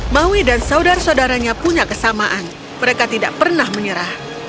maui dan saudara saudaranya punya kesamaan mereka tidak pernah menyerah